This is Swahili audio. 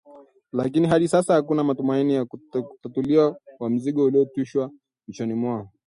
Lakini hadi sasa hakuna matumaini ya kutuliwa mzigo uliotwishwa vitwani mwao